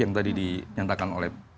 yang tadi dinyatakan oleh